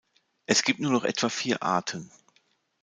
Es gibt nur noch etwa vier Arten.